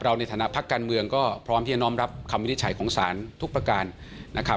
ในฐานะพักการเมืองก็พร้อมที่จะน้อมรับคำวินิจฉัยของศาลทุกประการนะครับ